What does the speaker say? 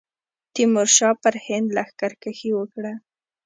تیمورشاه پر هند لښکرکښي وکړه.